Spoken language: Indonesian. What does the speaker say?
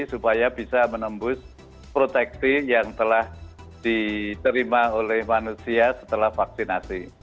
supaya bisa menembus proteksi yang telah diterima oleh manusia setelah vaksinasi